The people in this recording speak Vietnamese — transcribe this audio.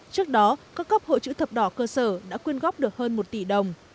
trước đó các cấp hội chữ thập đỏ cơ sở đã quyên góp được hơn một tỷ đồng